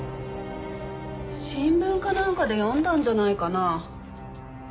新聞かなんかで読んだんじゃないかな。